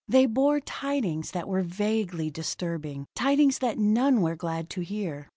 They bore tidings that were vaguely disturbing, tidings that none were glad to hear.